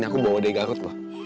aku bawa dari garut